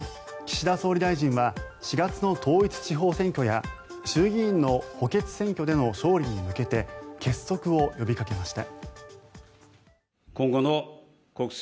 自民党が党大会を開き岸田総理大臣は４月の統一地方選挙や衆議院の補欠選挙での勝利に向けて結束を呼びかけました。